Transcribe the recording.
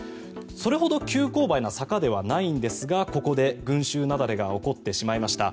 それほど急勾配な坂ではないんですがここで群衆雪崩が起こってしまいました。